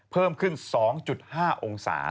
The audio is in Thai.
เพิ่มขึ้น๒๕องศา